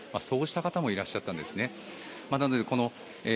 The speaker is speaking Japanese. そうした方もいらっしゃったんですね。